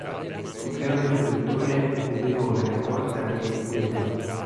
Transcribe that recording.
Fu grande traduttore e pubblicò una raccolta dei "Veda".